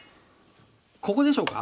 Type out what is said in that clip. ここでしょうか？